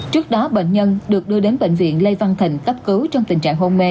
trước đó bệnh nhân được đưa đến bệnh viện lê văn thịnh cấp cứu trong tình trạng hôn mê